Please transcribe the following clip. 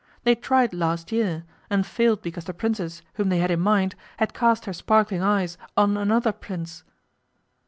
They tried last year, and failed because the Princess whom they had in mind had cast her sparkling eyes on another Prince.